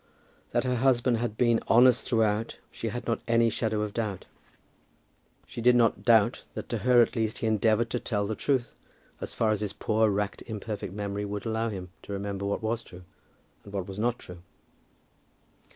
That her husband had been honest throughout, she had not any shadow of doubt. She did not doubt that to her at least he endeavoured to tell the truth, as far as his poor racked imperfect memory would allow him to remember what was true and what was not true.